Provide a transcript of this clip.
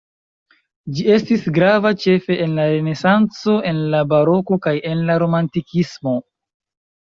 Ĝi estis grava ĉefe en la renesanco en la baroko kaj en la romantikismo.